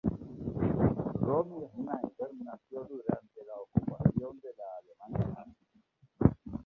Romy Schneider nació durante la ocupación de la Alemania Nazi en Austria.